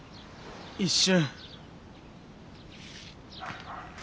一瞬。